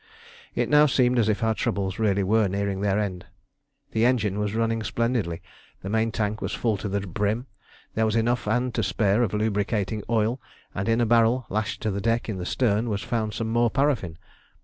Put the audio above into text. It now seemed as if our troubles really were nearing their end. The engine was running splendidly, the main tank was full to the brim; there was enough and to spare of lubricating oil, and in a barrel lashed to the deck in the stern was found some more paraffin.